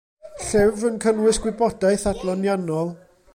Llyfr yn cynnwys gwybodaeth adloniannol.